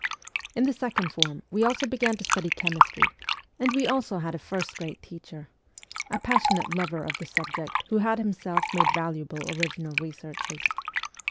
In the second form we also began to study chemistry, and we also had a first rate teacher a passionate lover of the subject who had himself made valuable original researches.